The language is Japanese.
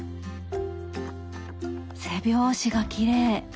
背表紙がきれい！